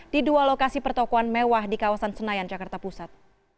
di dua lokasi pertokohan mewah di kawasan senayan jakarta pusat